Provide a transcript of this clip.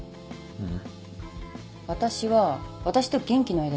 うん。